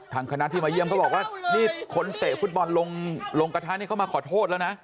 คณะที่มาเยี่ยมเขาบอกว่านี่คนเตะฟุตบอลลงกระทะนี่เขามาขอโทษแล้วนะ